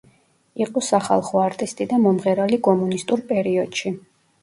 იყო სახალხო არტისტი და მომღერალი კომუნისტურ პერიოდში.